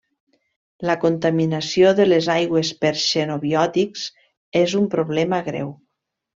La contaminació de les aigües per xenobiòtics és un problema greu.